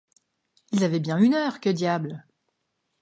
Ils avaient bien une heure, que diable!